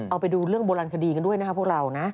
เอาไปดูเรื่องโบราณคดีกันด้วยนะครับพวกเรานะ